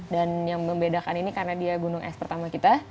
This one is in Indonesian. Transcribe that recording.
dan yang membedakan ini karena dia gunung es pertama kita